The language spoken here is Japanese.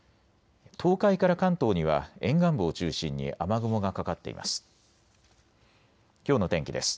東海から関東には沿岸部を中心に雨雲がかかっています。